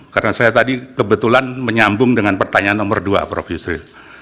karena saya tadi kebetulan menyambung dengan pertanyaan nomor dua prof yusril